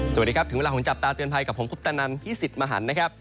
สวัสดีครับถึงเวลาของจับตาเตือนภัยกับผมคุปตนันพี่สิทธิ์มหันนะครับ